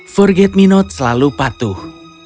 forget me note selalu patuh